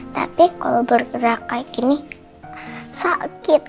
tapi kalau bergerak kayak gini sakit